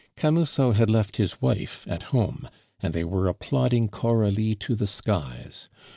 Camusot had left his wife at home, and they were applauding Coralie to the skies.